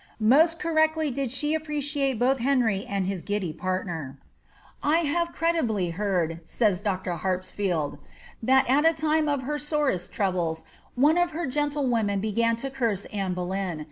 Mo«t correctly did she appreciate both Henry and his giddy partner. ^ I hare credibly heard," says Dr. Harpsfield, ^ that, at a time of her aorest troubles, one of her gentlewomen began to curse Anne Bolejm.